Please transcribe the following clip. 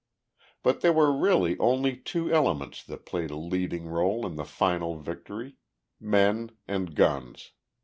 But there were really only two elements that played a leading role in the final victory men and guns.